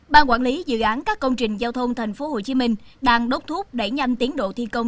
ban quản lý dự án các công trình giao thông tp hcm đang đốt thuốc đẩy nhanh tiến độ thi công